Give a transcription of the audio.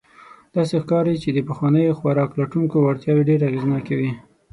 داسې ښکاري، چې د پخوانیو خوراک لټونکو وړتیاوې ډېر اغېزناکې وې.